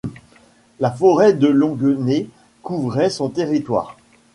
La forêt de Longuenée couvrait son territoire.